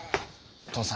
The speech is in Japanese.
父さん。